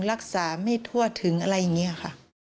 รักษาไม่ทั่วถึงอะไรอย่างนี้ค่ะ